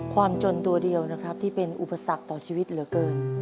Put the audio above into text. ความจนตัวเดียวนะครับที่เป็นอุปสรรคต่อชีวิตเหลือเกิน